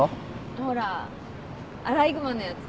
ほらアライグマのやつ。